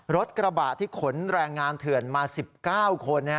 รถกระบะที่ขนแรงงานเถื่อนมา๑๙คน